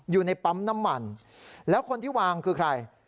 อยู่ในปั๊มน้ำมันแล้วคนที่วางคือใคร